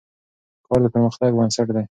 کار د پرمختګ بنسټ دی.